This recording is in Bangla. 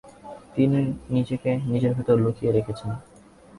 তিনি নিজেকে নিজের ভিতর লুকিয়ে রেখেছেন।